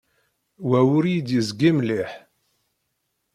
Wa ur iyi-d-yezgi mliḥ.